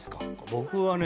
僕はね